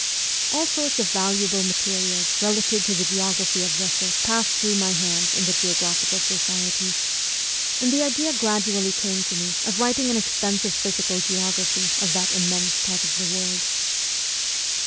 All sorts of valuable materials relative to the geography of Russia passed through my hands in the .Geographical Society, and the idea gradually came to me of writing an exhaustive physical geography of lt> MEMOIRS OF A REVOLUTIONIST that immense part of the world.